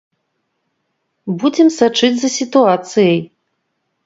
Будзем сачыць за сітуацыяй.